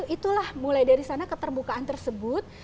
itulah mulai dari sana keterbukaan tersebut